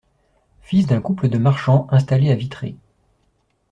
Fils d'un couple de marchands installés à Vitré.